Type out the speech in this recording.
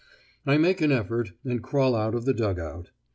I make an effort, and crawl out of the dug out.